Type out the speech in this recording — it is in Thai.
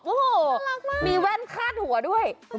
โอ้โฮมีแว่นคาดหัวด้วยน่ารักมาก